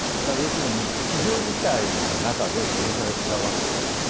だから要するに非常事態の中で殺されたわけですよ。